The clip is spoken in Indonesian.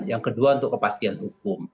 yang kedua untuk kepastian hukum